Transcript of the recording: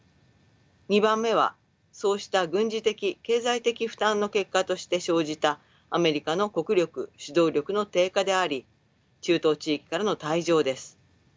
２番目はそうした軍事的経済的負担の結果として生じたアメリカの国力指導力の低下であり中東地域からの退場です。